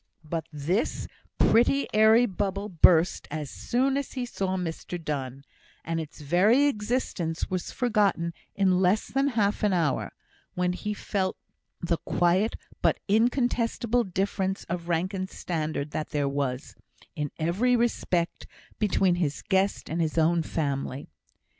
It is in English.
But this pretty airy bubble burst as soon as he saw Mr Donne; and its very existence was forgotten in less than half an hour, when he felt the quiet but incontestible difference of rank and standard that there was, in every respect, between his guest and his own family.